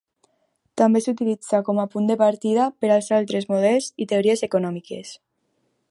També s'utilitza com a punt de partida per als altres models i teories econòmiques.